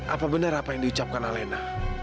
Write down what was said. apa benar apa yang diucapkan alena